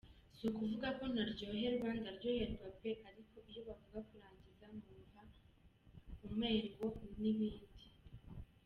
Si ukuvuga ko ntaryoherwa, ndaryoherwa pe ariko iyo bavuga kurangiza numva umengo nibindi.